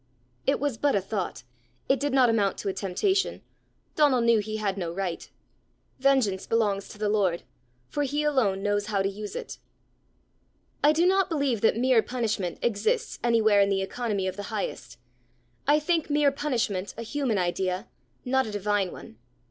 It was but a thought; it did not amount to a temptation; Donal knew he had no right. Vengeance belongs to the Lord, for he alone knows how to use it. I do not believe that mere punishment exists anywhere in the economy of the highest; I think mere punishment a human idea, not a divine one.